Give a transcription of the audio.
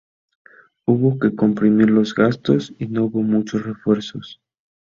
Hubo que comprimir los gastos y no hubo muchos refuerzos.